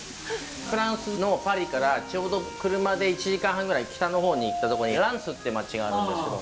フランスのパリからちょうど車で１時間半ぐらい北の方に行ったとこにランスって街があるんですけど。